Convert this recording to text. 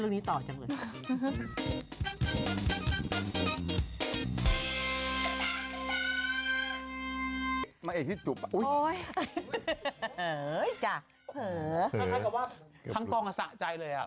คลังก็ว่าทั้งกลางสะใจเลย